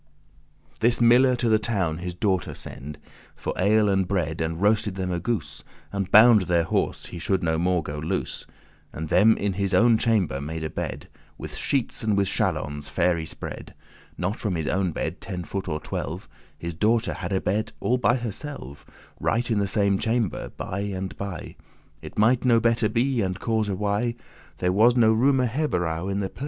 This miller to the town his daughter send For ale and bread, and roasted them a goose, And bound their horse, he should no more go loose: And them in his own chamber made a bed. With sheetes and with chalons* fair y spread, *blankets<17> Not from his owen bed ten foot or twelve: His daughter had a bed all by herselve, Right in the same chamber *by and by*: *side by side* It might no better be, and cause why, There was no *roomer herberow* in the place.